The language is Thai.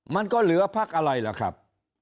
มันก็เหลือพักอะไรล่ะครับ